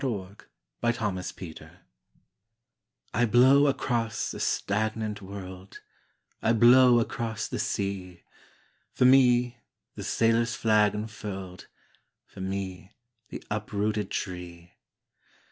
SPRING WIND IN LONDON I blow across the stagnant world, I blow across the sea, For me, the sailor's flag unfurled, For me, the uprooted tree.